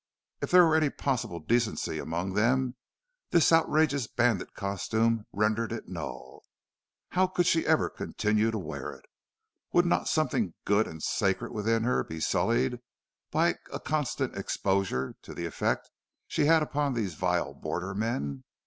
If there were any possible decency among them, this outrageous bandit costume rendered it null. How could she ever continue to wear it? Would not something good and sacred within her be sullied by a constant exposure to the effect she had upon these vile border men?